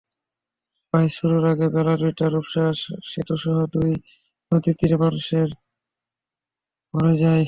বাইচ শুরুর আগেই বেলা দুইটায় রূপসা সেতুসহ দুই নদীর তীর মানুষে ভরে যায়।